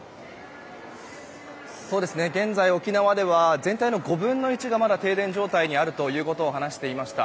現在、沖縄では全体の５分の１がまだ停電状態にあるということを話していました。